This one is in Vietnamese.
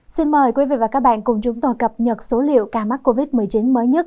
xin mời quý vị và các bạn cùng chúng tôi cập nhật số liệu ca mắc covid một mươi chín mới nhất